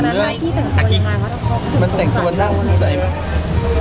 มันต่างจากที่แต่งตัวหน้าสงสัยไหม